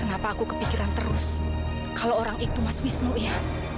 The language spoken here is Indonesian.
kenapa aku kepikiran terus kalau orang itu mas wisnu ya